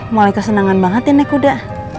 mulai kesenangan banget ya naik kuda